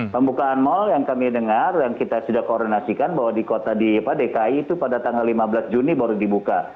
pembukaan mal yang kami dengar yang kita sudah koordinasikan bahwa di kota di dki itu pada tanggal lima belas juni baru dibuka